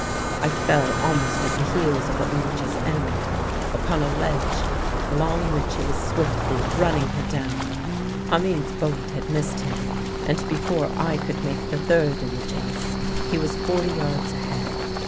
"I fell almost at the heels of Aoodya's enemy, upon a ledge along which he was swiftly running her down. Hamid's bullet had missed him, and before I could make the third in the chase he was forty yards ahead.